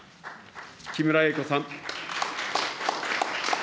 木村英子さん。